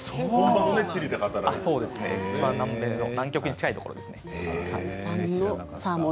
南米の南極に近いところですね。